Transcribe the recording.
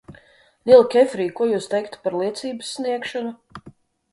Nīl Kefrij, ko jūs teiktu par liecības sniegšanu?